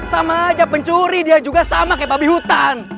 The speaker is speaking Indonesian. sama aja pencuri dia juga sama kayak babi hutan